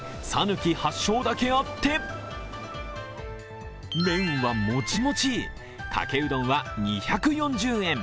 讃岐発祥だけあって麺はもちもち、かけうどんは２４０円。